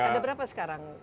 ada berapa sekarang